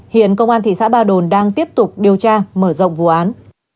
hiện công an thị xã ba đồn đang tiếp tục điều tra mở rộng vụ án